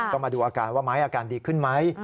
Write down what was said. ต้องมาดูอาการว่าไม้อาการดีขึ้นไหม